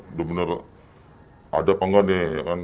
benar benar ada apa nggak nih ya kan